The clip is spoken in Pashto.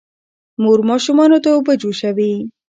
مور ماشومانو ته اوبه جوشوي.